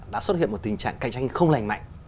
đã xuất hiện một tình trạng cạnh tranh không lành mạnh